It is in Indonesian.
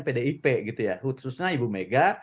pdip gitu ya khususnya ibu mega